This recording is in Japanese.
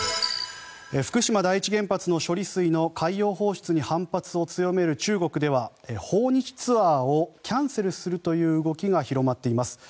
福島第一原発の処理水の海洋放出に反発を強める中国では訪日ツアーをキャンセルするという動きが広まっています。